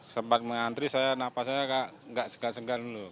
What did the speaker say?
sempat mengantri saya nafasnya gak segar segar dulu